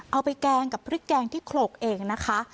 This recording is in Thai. แกงกับพริกแกงที่โขลกเองนะคะ